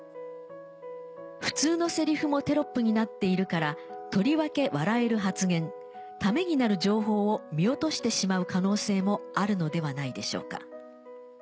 普通のセリフもテロップになっているからとりわけ笑える発言ためになる情報を見落としてしまう可能性もあるのではないでしょうか」。